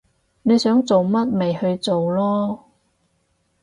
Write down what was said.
你想做乜咪去做囉